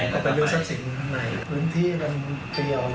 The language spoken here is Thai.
ก็ไปฉีกที่มันเปียว